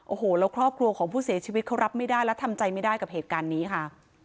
โอ้โหแล้วครอบครัวของผู้เสียชีวิตเขารับไม่ได้และทำใจไม่ได้กับเหตุการณ์นี้ค่ะ